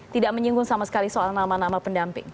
tidak menyinggung sama sekali soal nama nama pendamping